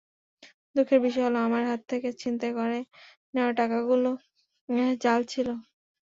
দুঃখের বিষয় হলো, আমার হাত থেকে ছিনতাই করে নেওয়া টাকাগুলো জাল ছিল।